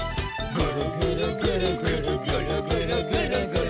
ぐるぐるぐるぐるぐるぐるぐるぐる」